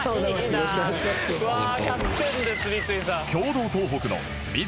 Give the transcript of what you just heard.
よろしくお願いしますどうも。